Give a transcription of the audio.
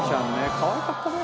かわいかったね」